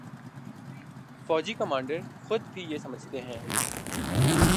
فوجی کمانڈر خود بھی یہ سمجھتے ہیں۔